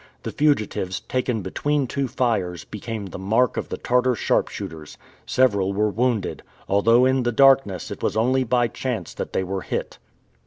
The fugitives, taken between two fires, became the mark of the Tartar sharpshooters. Several were wounded, although in the darkness it was only by chance that they were hit.